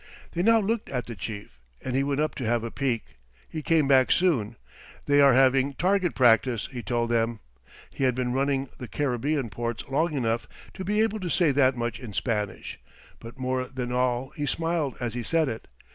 They now looked at the chief, and he went up to have a peek. He came back soon. "They are having target practice," he told them. He had been running the Caribbean ports long enough to be able to say that much in Spanish; but more than all he smiled as he said it.